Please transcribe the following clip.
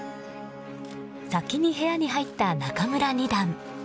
先に部屋に入った仲邑二段。